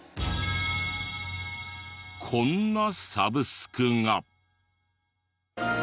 こんなサブスクが。